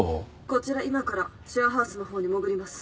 こちら今からシェアハウスの方に潜ります。